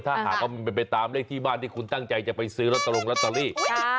ถ้าหากว่ามันเป็นไปตามเลขที่บ้านที่คุณตั้งใจจะไปซื้อลอตเตอรี่